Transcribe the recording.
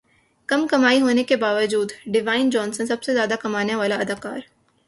کم کمائی ہونے کے باوجود ڈیوائن جونسن سب سے زیادہ کمانے والے اداکار